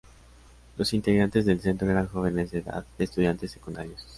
Los integrantes del Centro eran jóvenes de edad de estudiantes secundarios.